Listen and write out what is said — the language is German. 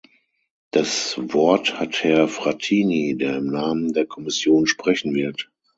Das Wort hat Herr Frattini, der im Namen der Kommission sprechen wird.